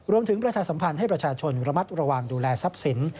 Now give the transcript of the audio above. ประชาสัมพันธ์ให้ประชาชนระมัดระวังดูแลทรัพย์สิน